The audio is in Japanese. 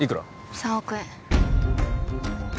３億円